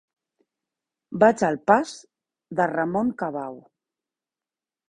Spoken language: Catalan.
Vaig al pas de Ramon Cabau.